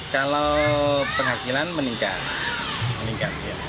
kalau penghasilan meningkat